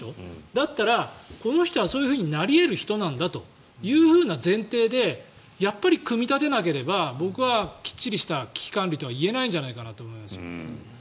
だったら、この人はそういう人になり得る人なんだという前提でやっぱり組み立てなければ僕はきっちりした危機管理とは言えないんじゃないかと思います。